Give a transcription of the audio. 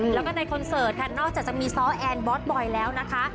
แล้วก็ในคอนเสิร์ตค่ะนอกจากจะมีซ้อแอนบอสบอยแล้วนะคะ